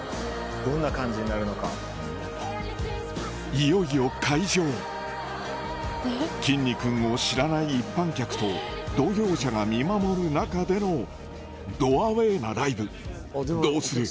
いよいよ開場きんに君を知らない一般客と同業者が見守る中でのどアウェーなライブどうする？